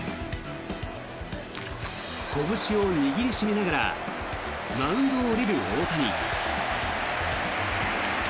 こぶしを握り締めながらマウンドを降りる大谷。